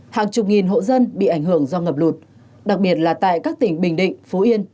hàng chục nghìn hộ dân bị ảnh hưởng do ngập lụt đặc biệt là tại các tỉnh bình định phú yên